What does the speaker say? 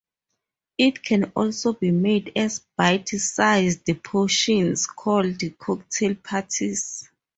It can also be made as bite-sized portions called cocktail patties.